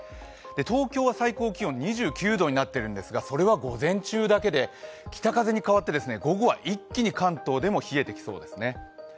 東京は最高気温２９度になっているんですが、それは午前中だけで、北風に変わって、午後は一気に関東でも冷えてきそうですね。